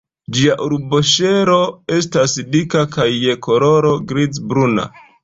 Ĝia arboŝelo estas dika kaj je koloro griz-bruna.